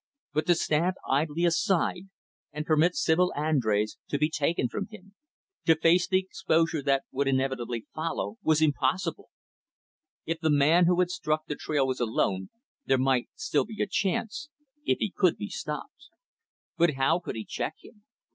But to stand idly aside and permit Sibyl Andrés to be taken from him to face the exposure that would inevitably follow was impossible. If the man who had struck the trail was alone, there might still be a chance if he could be stopped. But how could he check him?